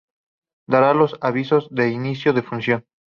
Dará los avisos de inicio de función.